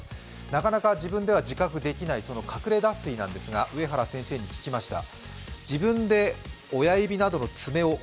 なかなか自分では自覚できないかくれ脱水ですが、上原先生に聞きました。